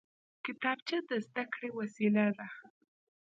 کتابچه د زده کړې وسیله ده